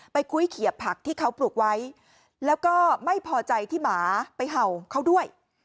คุ้ยเขียบผักที่เขาปลูกไว้แล้วก็ไม่พอใจที่หมาไปเห่าเขาด้วย